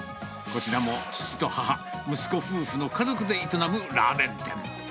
こちらも父と母、息子夫婦の家族で営むラーメン店。